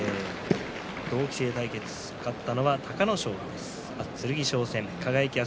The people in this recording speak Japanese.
同期生対決勝ったのは隆の勝です。